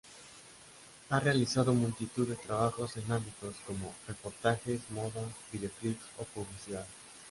Ha realizado multitud de trabajos en ámbitos como: reportajes, moda, videoclips o publicidad.